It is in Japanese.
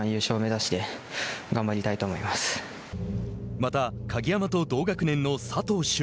また鍵山と同学年の佐藤駿。